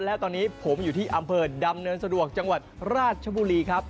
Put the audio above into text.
และตอนนี้ผมอยู่ที่อำเภอดำเนินสะดวกจังหวัดราชบุรีครับ